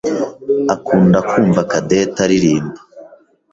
akunda kumva Cadette aririmba.